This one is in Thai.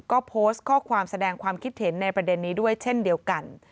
ก็โพสต์ข้อความแสดงความคิดเห็นในประเด็นนี้ด้วยเช่นเดียวกัน